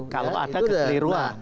kalau ada kekeliruan